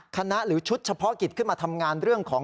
หรือชุดเฉพาะกิจขึ้นมาทำงานเรื่องของ